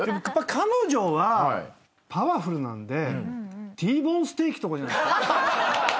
やっぱ彼女はパワフルなんでＴボーンステーキとかじゃない？